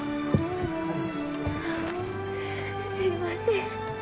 すいません。